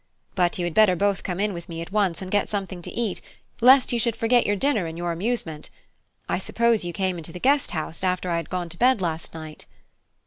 But you had better both come in with me at once and get something to eat, lest you should forget your dinner in your amusement. I suppose you came into the Guest House after I had gone to bed last night?"